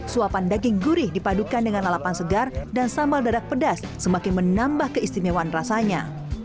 suapan daging gurih dipadukan dengan lalapan segar dan sambal dadak pedas semakin menambah keistimewaan rasanya